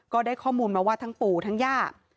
ก็ได้ข้อมูลมาว่าทั้งปู่ทั้งย่า